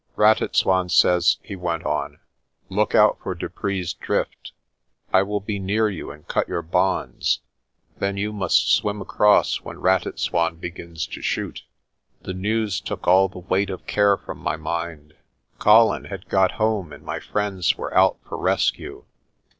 "Ratitswan says," he went on, " 'Look out for Dupree's Drift.' I will be near you and cut your bonds; then you must swim across when Ratitswan begins to shoot." The news took all the weight of care from my mind. 152 PRESTER JOHN Colin had got home and my friends were out for rescue.